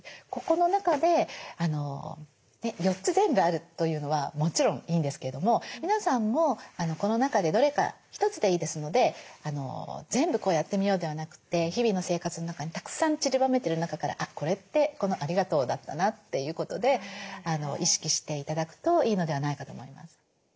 ここの中で４つ全部あるというのはもちろんいいんですけども皆さんもこの中でどれか一つでいいですので全部やってみようではなくて日々の生活の中にたくさんちりばめてる中からこれってこの「ありがとう」だったなということで意識して頂くといいのではないかと思います。